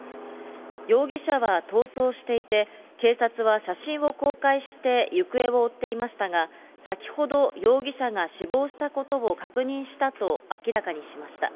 容疑者は逃走していて、警察は写真を公開して行方を追っていましたが、先ほど、容疑者が死亡したことを確認したと明らかにしました。